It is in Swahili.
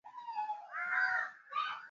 Mashamba ina saidiya mama na jamaa yake